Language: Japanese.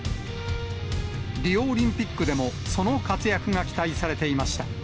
リオオリンピックでもその活躍が期待されていました。